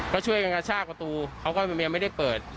ก็ช่วยกันกระชากประตูเขาก็ยังไม่ได้เปิด